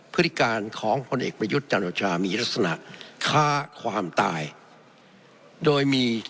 พฤติการของผลเอกประยุทธ์จันโอชามีลักษณะฆ่าความตายโดยมี